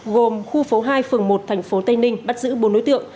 gồm khu phố hai phường một thành phố tây ninh bắt giữ bốn đối tượng